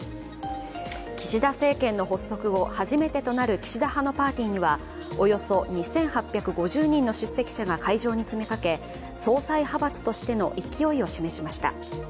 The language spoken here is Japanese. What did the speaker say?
岸田政権の発足後、初めてとなる岸田派のパーティーにはおよそ２８５０人の出席者が会場に詰めかけ総裁派閥としての勢いを示しました。